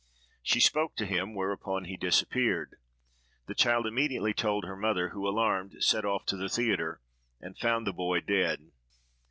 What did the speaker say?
She spoke to him, whereupon he disappeared. The child immediately told her mother, who, alarmed, set off to the theatre, and found the boy dead.